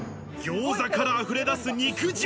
餃子からあふれ出す肉汁。